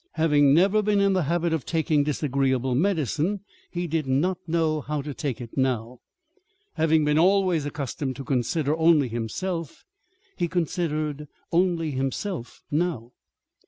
Having never been in the habit of taking disagreeable medicine, he did not know how to take it now. Having been always accustomed to consider only himself, he considered only himself now.